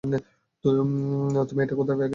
তুমি এটা কোথায় পেলে?